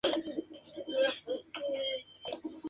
Secundó el impulso reformista de San Bernardo.